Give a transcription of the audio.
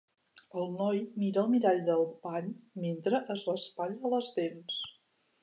El noi mira el mirall del bany metre es raspalla les dents.